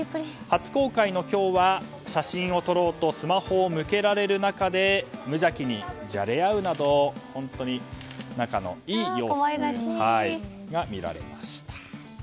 初公開の今日は写真を撮ろうとスマホを向けられる中で無邪気にじゃれ合うなど本当に仲のいい様子が見られました。